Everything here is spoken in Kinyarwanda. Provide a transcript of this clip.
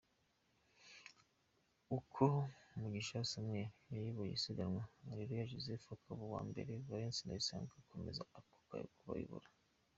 Uko Mugisha Samuel yayoboye isiganwa, Areruya Joseph akaba uwa mbere, Valens Ndayisenga agakomeza kubayobora.